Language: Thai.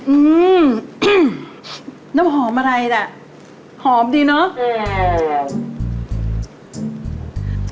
อืมน้ำหอมอะไรล่ะหอมดีเนอะ